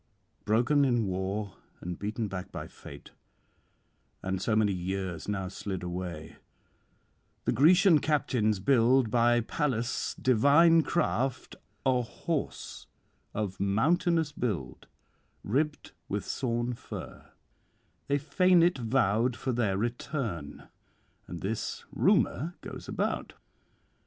'Broken in war and beaten back by fate, and so many years now slid away, the Grecian captains build by Pallas' divine craft a horse of mountainous build, ribbed with sawn fir; they feign it vowed for their return, and this rumour goes about.